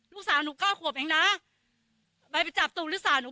ลูกสาวหนูเก้าขวบเองนะใบไปจับตัวลูกสาวหนู